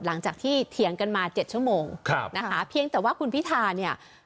หลังจากที่เถียงกันมาเจ็ดชั่วโมงนะคะเพียงแต่ว่าคุณพิทาเนี่ย